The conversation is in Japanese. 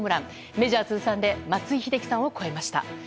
メジャー通算で松井秀喜さんを超えました。